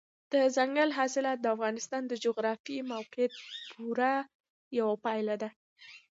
دځنګل حاصلات د افغانستان د جغرافیایي موقیعت پوره یوه پایله ده.